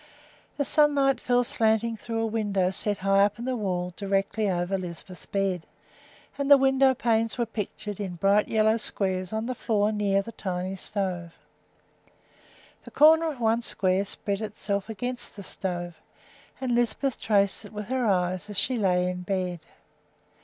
The sun fell slanting down through a window set high up in the wall directly over Lisbeth's bed, and the windowpanes were pictured in bright yellow squares on the floor near the tiny stove. The corner of one square spread itself against the stove, and Lisbeth traced it with her eyes as she lay in bed.